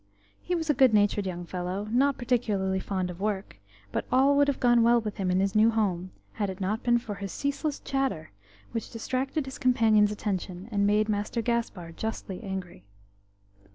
He was a good natured young fellow, not particularly fond of work, but all would have gone well with him in his new home had it not been for his ceaseless chatter, which distracted his companions' attention, and made Master Gaspar justly angry.